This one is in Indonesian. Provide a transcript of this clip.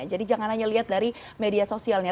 jadi jangan hanya lihat dari media sosialnya